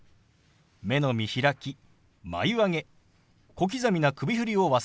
目の見開き眉上げ小刻みな首振りを忘れずに。